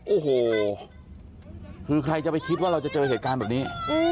โอ้โหคือใครจะไปคิดว่าเราจะเจอเหตุการณ์แบบนี้